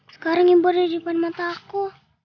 sekarang ibu ada di depan mata aku